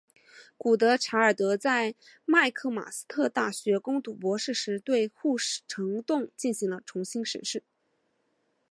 古德柴尔德在麦克马斯特大学攻读博士时对护城洞进行了重新审视。